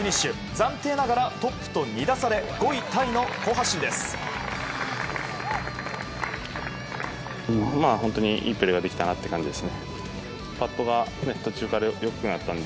暫定ながらトップと２打差で５位タイの好発進です。